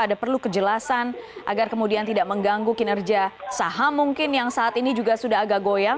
ada perlu kejelasan agar kemudian tidak mengganggu kinerja saham mungkin yang saat ini juga sudah agak goyang